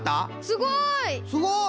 すごい。